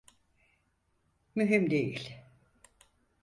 Mühim değil.